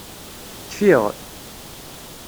Kfiɣ.